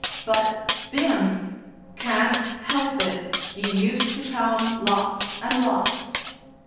"But, Bim " "Can't help it. He used to come lots and lots."